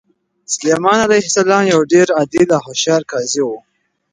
سلیمان علیه السلام یو ډېر عادل او هوښیار قاضي و.